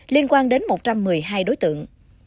liên quan đến một trăm một mươi hai đối tượng